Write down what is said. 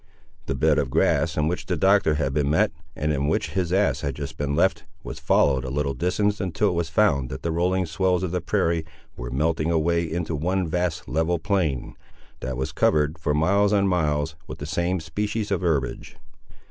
The bed of grass, in which the Doctor had been met, and in which his ass had just been left, was followed a little distance until it was found that the rolling swells of the prairie were melting away into one vast level plain, that was covered, for miles on miles, with the same species of herbage.